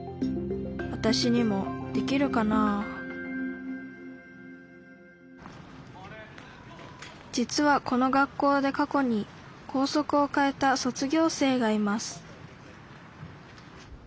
わたしにもできるかな実はこの学校で過去に校則を変えた卒業生がいます